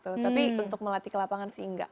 tapi untuk melatih ke lapangan sehingga